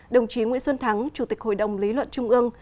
đồng chí nguyễn xuân thắng chủ tịch hội đồng lý luận trung ương